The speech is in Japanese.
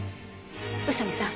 宇佐見さん